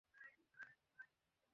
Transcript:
ওহ, আমি শুধু মধুরণ সমাপয়েৎ পছন্দ করি।